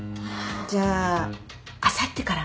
じゃああさってから。